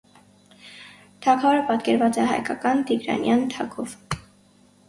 Թագավորը պատկերված է հայկական՝ տիգրանյան թագով։